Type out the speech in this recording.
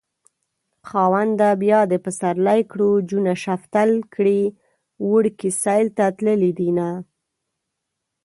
خاونده بيا دې پسرلی کړو جونه شفتل کړي وړکي سيل ته تللي دينه